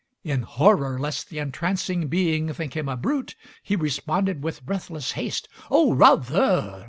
In horror lest the entrancing being think him a brute, he responded with breathless haste: "Oh, rath er r!